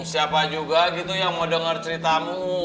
siapa juga gitu yang mau denger ceritamu